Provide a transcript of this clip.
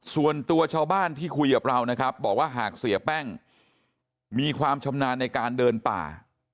ส่วนตัวชาวบ้านที่คุยกับเรานะครับบอกว่าหากเสียแป้งมีความชำนาญในการเดินป่า